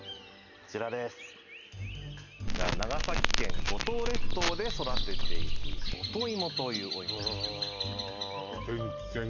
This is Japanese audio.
こちら長崎県五島列島で育てているごと芋というお芋ですへえ